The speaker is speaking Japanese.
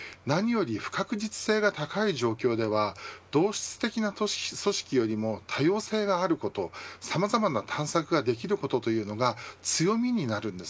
何より不確実性が高い状況では同質的な組織よりも多様性があることをさまざまな探索ができることというのが強みになるんです。